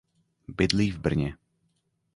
Bydlí v Brně.